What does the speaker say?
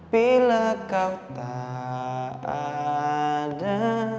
bila kau tak ada